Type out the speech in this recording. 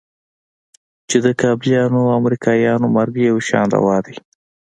چې د کابليانو او امريکايانو مرګ يو شان روا دى.